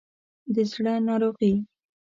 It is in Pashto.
د زړه ناروغي